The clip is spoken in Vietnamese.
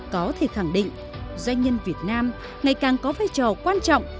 có thể khẳng định doanh nhân việt nam ngày càng có vai trò quan trọng